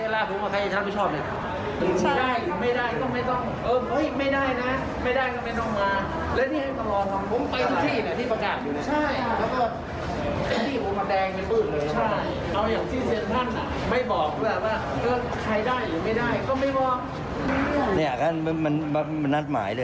แล้วก็แล้วก็